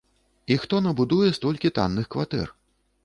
І хто набудуе столькі танных кватэр?